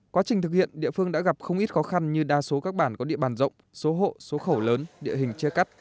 quá trình thực hiện địa phương đã gặp không ít khó khăn như đa số các bản có địa bàn rộng số hộ số khẩu lớn địa hình che cắt